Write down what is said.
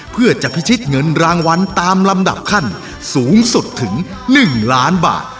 เพื่อจะพิชิตเงินรางวัลตามลำดับขั้นสูงสุดถึง๑ล้านบาท